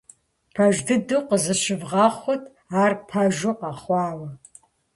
Пэж дыдэу, къызыщывгъэхъут ар пэжу къэхъуауэ.